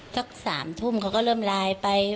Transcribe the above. สัก๓ทุ่มเขาก็เริ่มไลน์ไป